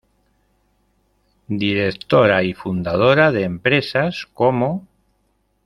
Directora y fundadora de empresas como,